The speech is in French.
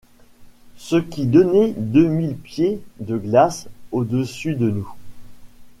Ce qui donnait deux mille pieds de glaces au-dessus de nous